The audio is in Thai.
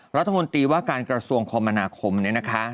รัฐมนตรีว่าการกระทรวงคมนาคมเนี่ยนะคะ